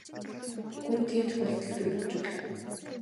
Гүн тийм тохиолдолд би бууж өглөө.